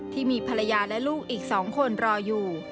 ที่มีภรรยาและลูกอีก๒คนรออยู่